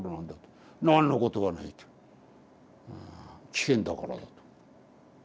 なんのことはないと危険だからだと。